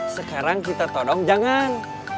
sekarang kita tahu dong jangan